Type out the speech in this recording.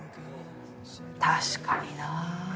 確かにな。